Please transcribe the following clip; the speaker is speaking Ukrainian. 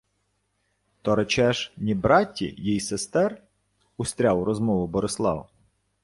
— То речеш: ні братті, їй сестер? — устряв у розмову Борислав.